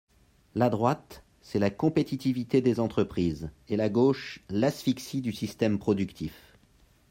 La droite, c’est la compétitivité des entreprises et la gauche, l’asphyxie du système productif.